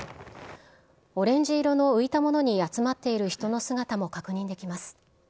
オレンジ色の浮いたものに集まっている人の姿も確認できます。